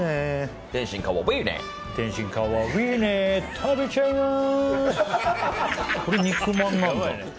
食べちゃいます！